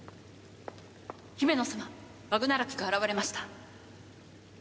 ヒメノ様バグナラクが現れました。